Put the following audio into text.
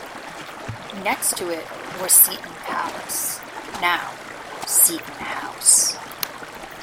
Next to it was Seton Palace, now Seton House.